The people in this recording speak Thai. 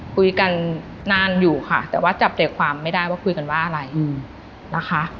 คุยกันนานอยู่ค่ะแต่ว่าจับใจความไม่ได้ว่าคุยกันว่าอะไรนะคะ